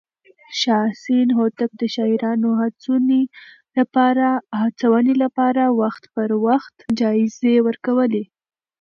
شاه حسين هوتک د شاعرانو هڅونې لپاره وخت پر وخت جايزې ورکولې.